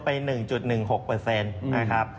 ไป๑๑๖นะครับ